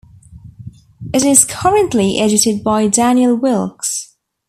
It is currently edited by Daniel Wilks.